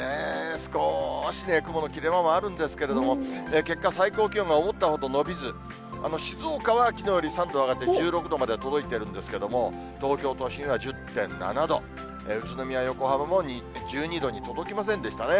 少しね、雲の切れ間もあるんですけれども、結果、最高気温が思ったほど伸びず、静岡はきのうより３度上がって１６度まで届いているんですけど、東京都心は１０．７度、宇都宮、横浜も１２度に届きませんでしたね。